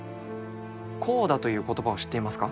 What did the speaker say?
コーダという言葉を知っていますか？